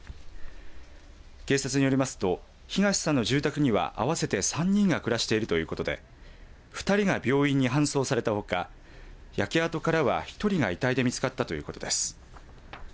警察によりますと東さんの住宅には合わせて３人が暮らしているということで２人が病院に搬送されたほか焼け跡からは１人が遺体で見つかったということです。